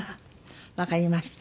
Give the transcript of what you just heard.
わかりました。